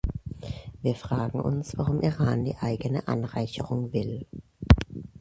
Wir fragen uns, warum Iran die eigene Anreicherung will.